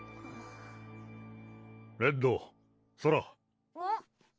レッド・ソラうん？